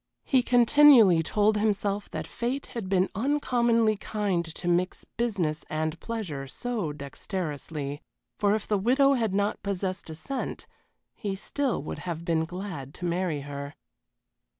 He continually told himself that fate had been uncommonly kind to mix business and pleasure so dexterously, for if the widow had not possessed a cent, he still would have been glad to marry her.